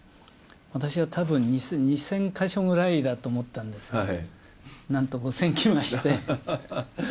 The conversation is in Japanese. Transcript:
私はたぶん２０００か所ぐらいだと思ったんですが、なんと５０００来ましたね。